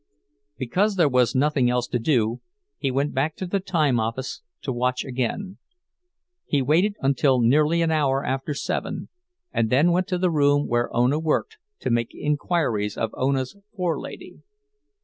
Because there was nothing else to do, he went back to the time office to watch again. He waited until nearly an hour after seven, and then went to the room where Ona worked to make inquiries of Ona's "forelady."